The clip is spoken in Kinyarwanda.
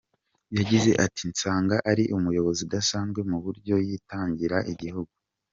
Yagize ati” Nsanga ari umuyobozi udasanzwe mu buryo yitangira igihugu.